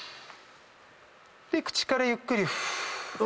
で口からゆっくり。